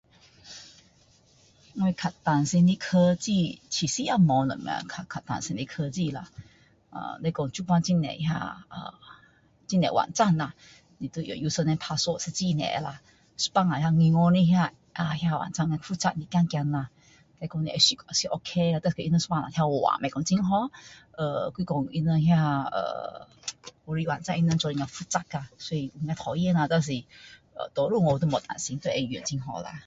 我较担心的科技，其实也无什么较担心的科技啦。ahh 那说现在很多那，很多网站啦，你要用 user name , password 是很多啦。一半下，有银行的那那网站复杂一点，怕啦。如果你会熟是 0K 啦！但是它们一半下一直换,无讲很好。ahh 还说它们 ahh 有的网站它们做的复杂啦，所以较讨厌啦。但是多数我都无担心都有用，很好啦！